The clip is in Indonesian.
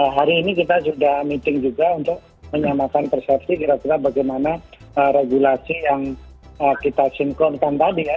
hari ini kita sudah meeting juga untuk menyamakan persepsi kira kira bagaimana regulasi yang kita sinkronkan tadi ya